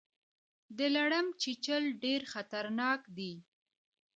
د لړم چیچل ډیر خطرناک دي